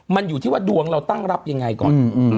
มันอยู่ที่ว่าดวงเราตั้งรับยังไงก่อน